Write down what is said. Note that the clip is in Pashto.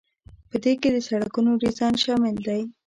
په دې کې د سړکونو ډیزاین شامل دی.